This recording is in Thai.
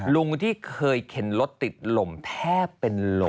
ลุงที่เคยเข็นรถติดลมแทบเป็นลม